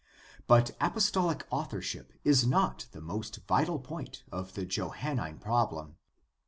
But apostohc authorship is not the most vital point of the Johannine problen.